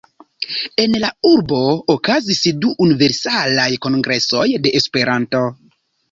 En la urbo okazis du Universalaj Kongresoj de Esperanto.